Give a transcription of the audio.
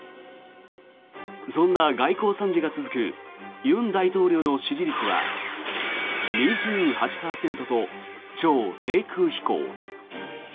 そんな外交惨事が続く尹大統領の支持率は２８％と超低空飛行。